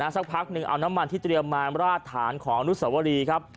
สักพักหนึ่งเอาน้ำมันที่เตรียมมาราดฐานของอนุสวรีครับ